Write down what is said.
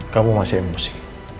kamu masih emosi